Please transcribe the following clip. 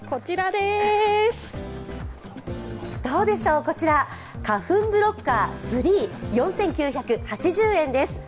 どうでしょう、こちら花粉ブロッカー３、４９８０円です。